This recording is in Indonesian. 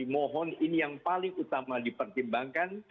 mohon ini yang paling utama dipertimbangkan